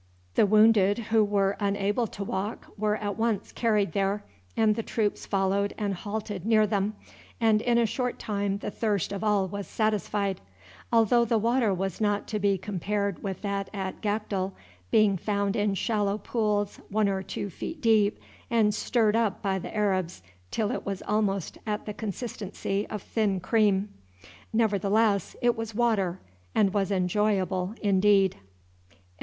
The wounded who were unable to walk were at once carried there, and the troops followed and halted near them, and in a short time the thirst of all was satisfied. Although the water was not to be compared with that at Gakdul, being found in shallow pools one or two feet deep, and stirred up by the Arabs till it was almost of the consistency of thin cream, nevertheless it was water, and was enjoyable indeed.